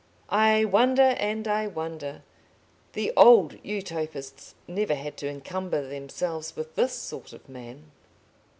I wonder and I wonder. The old Utopists never had to encumber themselves with this sort of man.